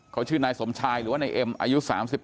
เขาชื่อนายสมชายหรือว่านายเอ็มอายุ๓๓